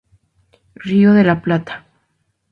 Río de la Plata.